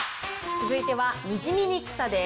続いてはにじみにくさです。